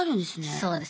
そうです。